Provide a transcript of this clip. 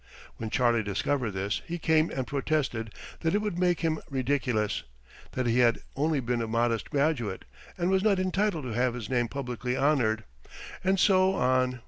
When Charlie discovered this, he came and protested that it would make him ridiculous, that he had only been a modest graduate, and was not entitled to have his name publicly honored, and so on.